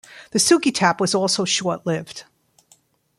The Sugi Tap was also short lived.